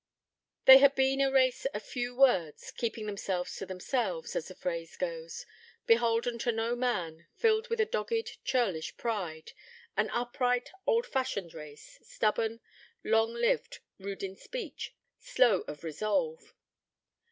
They had been a race of few words, 'keeping themselves to themselves', as the phrase goes; beholden to no man, filled with a dogged, churlish pride an upright, old fashioned race, stubborn, long lived, rude in speech, slow of resolve.